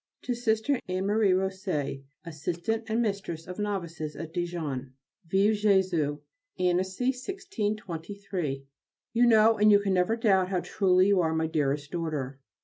To Sister Anne Marie Rosset, Assistant and Mistress of Novices at Dijon. Vive [+] Jésus! ANNECY, 1623. You know and you can never doubt how truly you are my dearest daughter.